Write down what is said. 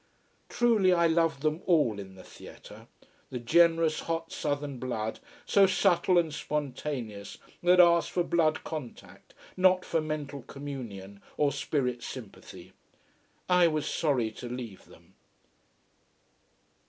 Truly I loved them all in the theatre: the generous, hot southern blood, so subtle and spontaneous, that asks for blood contact, not for mental communion or spirit sympathy. I was sorry to leave them.